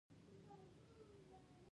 پښتو ډېره خواږه او لرغونې ژبه ده